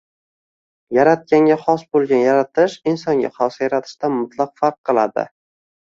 Yaratganga xos boʻlgan yaratish insonga xos yaratishdan mutlaq farq qiladi